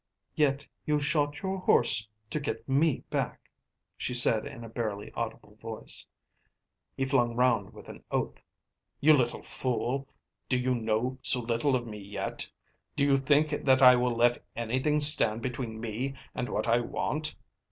"Yet you shot your horse to get me back," she said in a barely audible voice. He flung round with an oath. "You little fool! Do you know so little of me yet? Do you think that I will let anything stand between me and what I want?